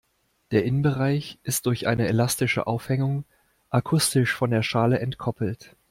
Der Innenbereich ist durch eine elastische Aufhängung akustisch von der Schale entkoppelt.